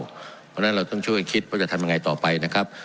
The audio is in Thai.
เพราะฉะนั้นเราต้องช่วยคิดว่าจะทำยังไงต่อไปนะครับ